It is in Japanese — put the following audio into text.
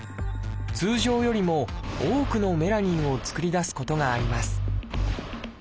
通常よりも多くのメラニンを作り出すことがあります